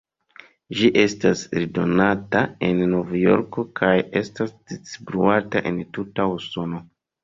Ĝi estas eldonata en Novjorko kaj estas distribuata en tuta Usono.